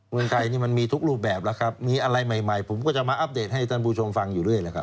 เมืองไทยนี่มันมีทุกรูปแบบแล้วครับมีอะไรใหม่ใหม่ผมก็จะมาอัปเดตให้ท่านผู้ชมฟังอยู่ด้วยแหละครับ